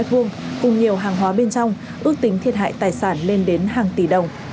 cùng nhiều hàng hóa bên trong ước tính thiệt hại tài sản lên đến hàng tỷ đồng